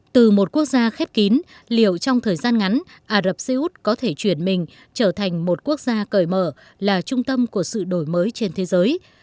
từ một quốc gia khép kín liệu trong thời gian ngắn ả rập xê út có thể chuyển mình trở thành một quốc gia cởi mở là trung tâm của sự đổi mới trên thế giới